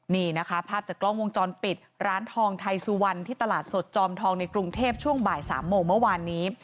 นี่นะคะภาพจากกล้องวงจรปิดร้านทองไทยสุวรรณที่ตลาดสดจอมทองในกรุงเทพช่วงบ่าย๓โมงเมื่อวานนี้